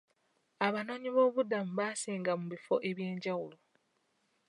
Abanoonyiboobubudamu baasenga mu bifo ebyenjawulo.